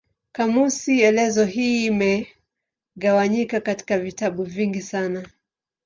Kamusi elezo hii imegawanyika katika vitabu vingi sana.